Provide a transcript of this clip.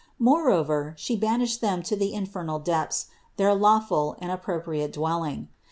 Moreover, She banished them to the infernal depths, their lawful and appropriate dwelling.